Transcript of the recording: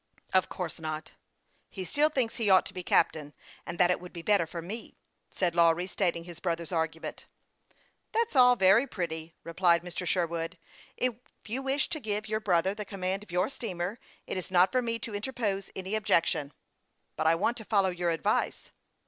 " Of course not." " He still thinks he ought to be captain, and that it would be better for me ;" and Lawry stated his brother's argument. 268 HASTE AND WASTE, OR " That's all very pretty," replied Mr. Sherwood. " If you wish to give your brother the command of your steamer, it is not for me to interpose any objection." " But I want to follow your advice."